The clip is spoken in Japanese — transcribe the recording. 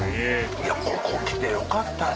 いやここ来てよかったね。